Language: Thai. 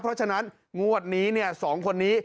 เพราะฉะนั้นงวดนี้๒คนนี้